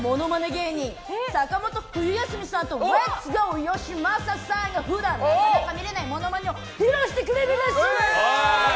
芸人坂本冬休みさんとレッツゴーよしまささんが普段なかなか見れないモノマネを披露してくれます！